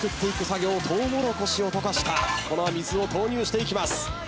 トウモロコシを溶かしたこの水を投入していきます。